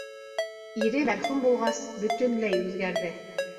Ире мәрхүм булғас, бөтөнләй үҙгәрҙе.